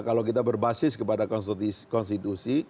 kalau kita berbasis kepada konstitusi